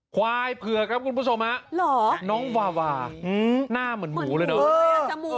ควายเผือกครับคุณผู้ชมฮะน้องวาวาหน้าเหมือนหมูเลยเนอะ